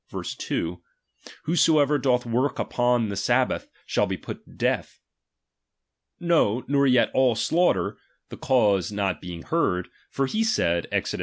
2) : Whosoever {loth work upon the sabhath, shall be put to death. No, nor yet all slaughter, the cause not being heard ; for he said, (Exod.